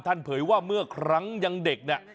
เผยว่าเมื่อครั้งยังเด็กเนี่ย